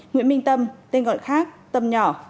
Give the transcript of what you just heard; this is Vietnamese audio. nguyễn minh tâm tên gọi khác là tâm nhỏ